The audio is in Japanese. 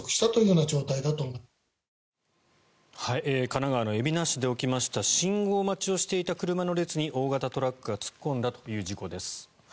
神奈川の海老名市で起きました信号待ちをしていた車の列に大型トラックが突っ込んだという事故です。